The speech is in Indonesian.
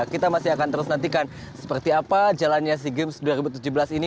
kita masih akan terus nantikan seperti apa jalannya sea games dua ribu tujuh belas ini